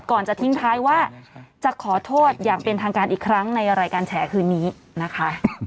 ก่อนจะทิ้งท้ายว่าจะขอโทษอย่างเป็นทางการอีกครั้งในรายการแฉคืนนี้นะคะ